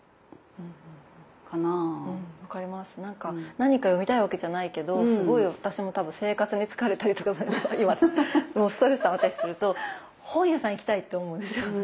何か読みたいわけじゃないけどすごい私も多分生活に疲れたりとかもうストレスたまったりとかすると本屋さん行きたいって思うんですよ。